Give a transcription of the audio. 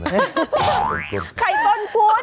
ใครปล้อนพุทธ